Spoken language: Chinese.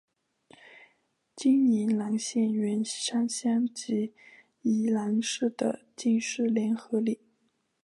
今宜兰县员山乡及宜兰市的进士联合里。